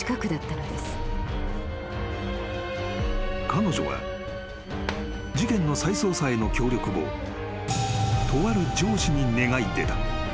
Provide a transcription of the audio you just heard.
［彼女は事件の再捜査への協力をとある上司に願い出た。